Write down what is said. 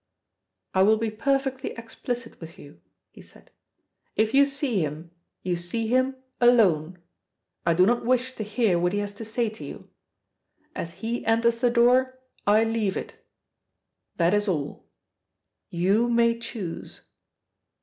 "I will be perfectly explicit with you," he said. "If you see him, you see him alone. I do not wish to hear what he has to say to you. As he enters the door I leave it. That is all. You may choose."